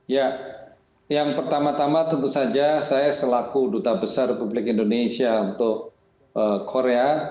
ya yang pertama tama tentu saja saya selaku duta besar republik indonesia untuk korea